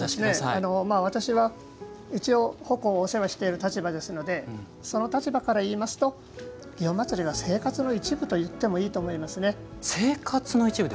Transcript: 私は、一応鉾を収めている立場ですのでその立場から言いますと祇園祭は「生活の一部」といってもいいと思いますね。